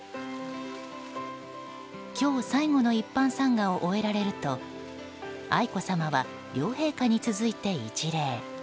今日、最後の一般参賀を終えられると愛子さまは、両陛下に続いて一礼。